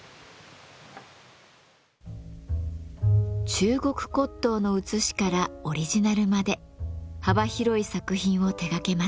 中国骨董のうつしからオリジナルまで幅広い作品を手がけます。